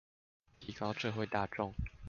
提高社會大眾